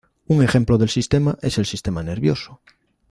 Un ejemplo de sistema es el sistema nervioso.